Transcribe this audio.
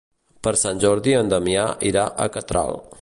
Per Sant Jordi en Damià irà a Catral.